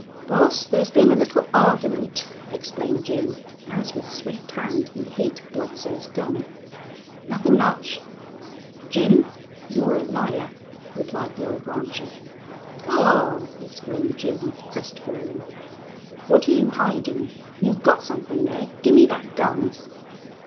"Boss, thar's been a little argyment," explained Jim, as with swift hand he hid Bludsoe's gun. "Nuthin' much." "Jim, you're a liar," replied the old rancher. "Aw!" exclaimed Jim, crestfallen. "What're you hidin'?... You've got somethin' there. Gimme thet gun."